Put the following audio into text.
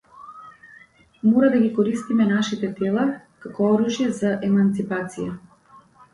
Мора да ги користиме нашите тела како оружје за еманципација.